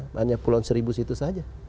makanya pulau seribu itu saja